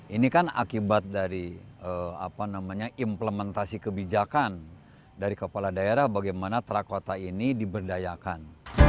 ini kan akibat dari implementasi kebijakan dari kepala daerah bagaimana terakota ini diberdayakan